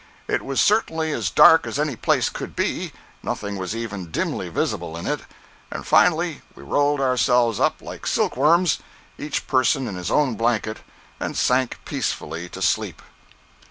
It was certainly as dark as any place could be—nothing was even dimly visible in it. And finally, we rolled ourselves up like silk worms, each person in his own blanket, and sank peacefully to sleep.